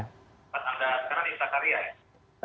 di tempat anda sekarang di sakarya ya